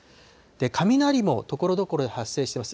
雷もところどころで発生してます。